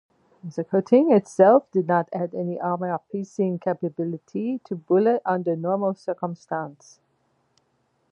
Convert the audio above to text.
The coating itself did not add any armor-piercing abilities to bullets under normal circumstances.